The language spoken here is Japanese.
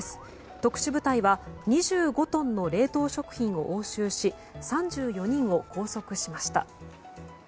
特殊部隊は２５トンの冷凍食品を押収し３４人を拘束しました。